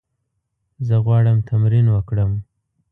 زه غواړم تمرین وکړم.